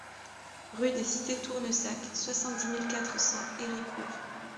Rue des Cités Tournesac, soixante-dix mille quatre cents Héricourt